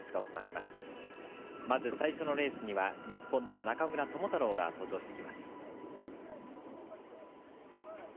まず最初のレースには日本の中村智太郎が登場してきます。